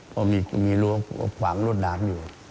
เพราะมีหัวผังหลุดน้ำอยู่